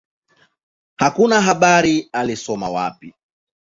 Hakuna habari alisoma wapi.